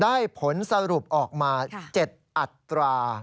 ได้ผลสรุปออกมา๗อัตรา